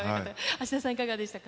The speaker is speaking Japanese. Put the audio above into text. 芦田さん、いかがでしたか。